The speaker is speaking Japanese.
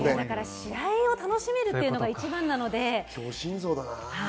試合を楽しめるのが一番なので。